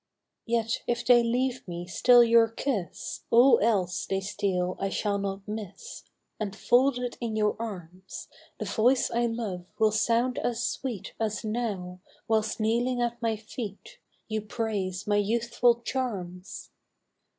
Yet, if they leave me still your kiss, All else they steal I shall not miss, And folded in your arms The voice I love will sound as sweet As now, whilst kneeling at my feet You praise my youthful charms